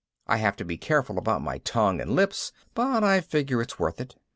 I have to be careful about my tongue and lips but I figure it's worth it.